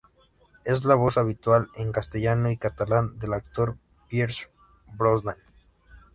Es la voz habitual, en castellano y catalán, del actor Pierce Brosnan.